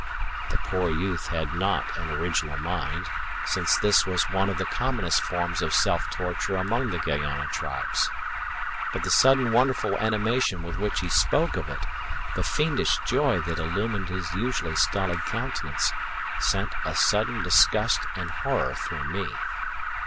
The poor youth had not an original mind, since this was one of the commonest forms of self torture among the Guayana tribes. But the sudden wonderful animation with which he spoke of it, the fiendish joy that illumined his usually stolid countenance, sent a sudden disgust and horror through me.